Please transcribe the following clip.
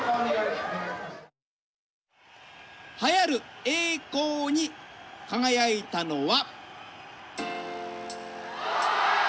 栄えある栄光に輝いたのは。